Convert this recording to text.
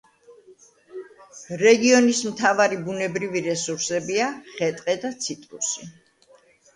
რეგიონის მთავარი ბუნებრივი რესურსებია: ხე-ტყე და ციტრუსი.